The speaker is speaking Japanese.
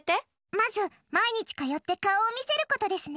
まず毎日通って顔を見せることですね。